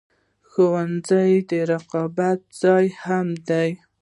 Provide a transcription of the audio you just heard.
ښوونځی د رقابت ځای هم دی